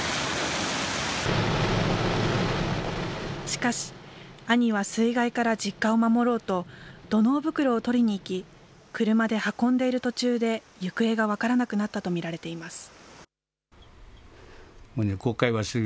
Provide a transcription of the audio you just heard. しかし、兄は水害から実家を守ろうと、土のう袋を取りに行き、車で運んでいる途中で行方が分からなくなったと見られています。